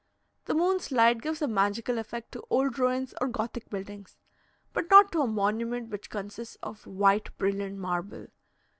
The moon's light gives a magical effect to old ruins or Gothic buildings, but not to a monument which consists of white brilliant marble.